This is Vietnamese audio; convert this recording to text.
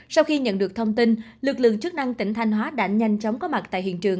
sau khi nhận được thông tin lực lượng chức năng tỉnh thanh hóa đã nhanh chóng có mặt tại hiện trường